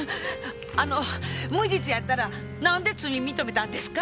あの無実やったらなんで罪認めたんですか？